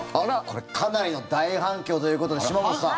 これ、かなりの大反響ということで、島本さん。